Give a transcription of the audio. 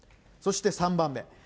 そして３番目。